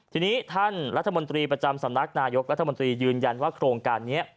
ทีนี้ท่านรัฐมนตรีประจำสำนักนายกรัฐมนตรียืนยันว่าโครงการนี้